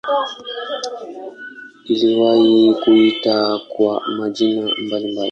Iliwahi kuitwa kwa majina mbalimbali.